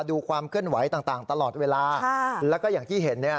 ดูความเคลื่อนไหวต่างต่างตลอดเวลาแล้วก็อย่างที่เห็นเนี่ย